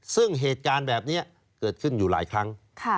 ซึ่งเหตุการณ์แบบนี้เกิดขึ้นอยู่หลายครั้ง